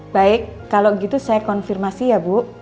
baik kalau gitu saya konfirmasi ya bu